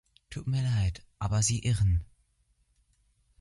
Tut mir Leid, aber Sie irren.